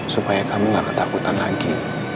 supaya kamu gak ketakutan lagi